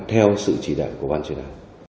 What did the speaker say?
theo sự chỉ đảm của quản truyền án